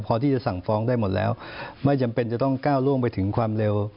พอที่จะสั่งฟ้องได้หมดแล้วไม่จำเป็นจะต้องก้าวล่วงไปถึงความเร็ว